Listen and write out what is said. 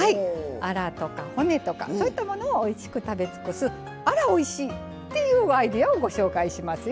アラとか骨とかそういったものをおいしく食べ尽くすアラおいしい！っていうアイデアをご紹介しますよ。